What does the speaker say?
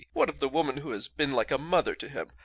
What of the woman who has been like a mother to him?